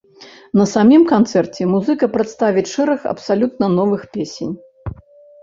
На самім канцэрце музыка прадставіць шэраг абсалютна новых песень.